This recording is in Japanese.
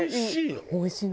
おいしいの？